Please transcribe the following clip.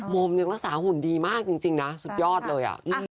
มมยังรักษาหุ่นดีมากจริงนะสุดยอดเลย